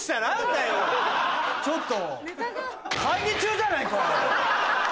ちょっと！